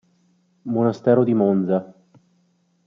Monastero di Monza.